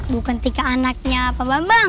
bukan tiga anaknya pak bambang